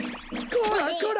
こらこら！